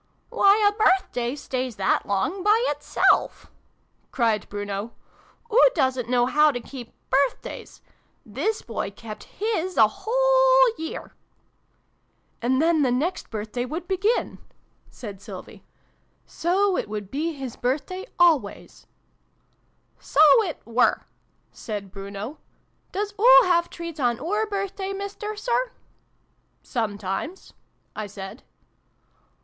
" Why, a birthday stays that long by itself! " cried Bruno. "Oo doosn't know how to keep birthdays ! This Boy kept his a whole year !"" And then the next birthday would begin," said Sylvie. " So it would be his birthday always" "So it were," said Bruno. " Doos oo have treats on oor birthday, Mister Sir ?"" Sometimes," I said.